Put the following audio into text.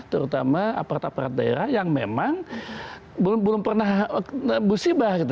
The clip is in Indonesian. terutama aparat aparat daerah yang memang belum pernah musibah gitu